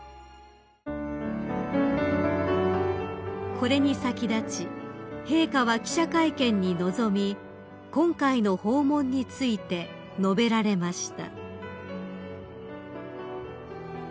［これに先立ち陛下は記者会見に臨み今回の訪問について述べられました］